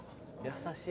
優しい。